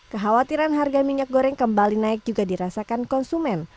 kekhawatiran harga minyak goreng kembali naik juga dirasakan konsumen